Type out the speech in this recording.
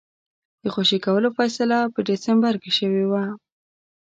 د خوشي کولو فیصله په ډسمبر کې شوې وه.